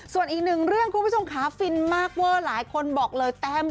ส่วนอีกหนึ่งเล